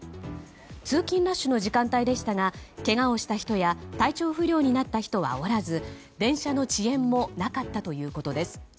通勤ラッシュの時間帯でしたがけがをした人や体調不良になった人はおらず電車の遅延もなかったということです。